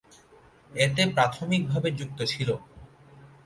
এতে প্রাথমিকভাবে যুক্ত ছিল।